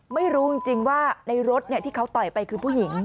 ไม่รู้จริงว่าในรถที่เขาต่อยไปคือผู้หญิง